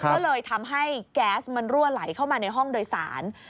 ก็เลยทำให้แก๊สมันรั่วไหลเข้ามาในห้องโดยสาร